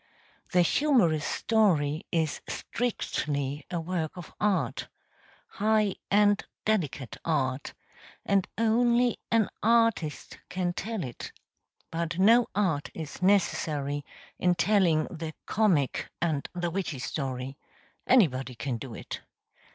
The humorous story is strictly a work of art high and delicate art and only an artist can tell it; but no art is necessary in telling the comic and the witty story; anybody can do it.